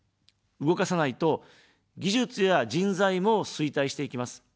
動かさないと、技術や人材も衰退していきます。